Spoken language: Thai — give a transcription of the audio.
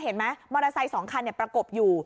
เห็นไหมมอเตอร์ไซค์๒คันประกบอยู่